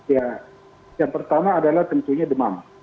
ya yang pertama adalah tentunya demam